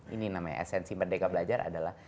ini namanya esensi merdeka belajar adalah